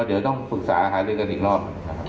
คือเดี๋ยวต้องฝึกษาอะไรกันอีกรอบ